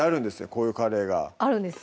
こういうカレーがあるんです